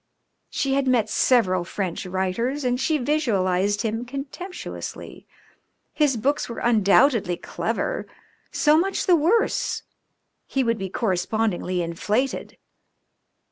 She had met several French writers and she visualised him contemptuously. His books were undoubtedly clever. So much the worse; he would be correspondingly inflated.